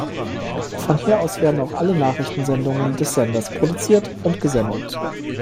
Von hier aus werden auch alle Nachrichtensendungen des Senders produziert und gesendet.